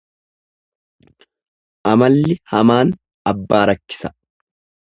Amalli hamaan abbaa rakkisa.